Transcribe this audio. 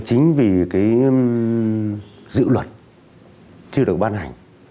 chính vì cái dự luật chưa được ban hành